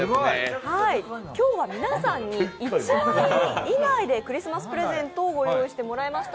今日は皆さんに１万円以内でクリスマスプレゼントをご用意してもらいました。